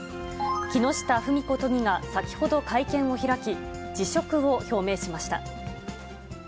木下富美子都議が先ほど会見を開き、辞職を表明しました。